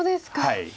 はい。